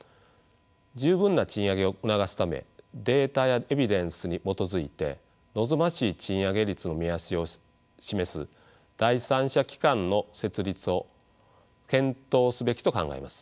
十分な賃上げを促すためデータやエビデンスに基づいて望ましい賃上げ率の目安を示す第三者機関の設立を検討すべきと考えます。